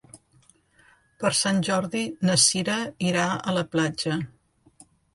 Per Sant Jordi na Cira irà a la platja.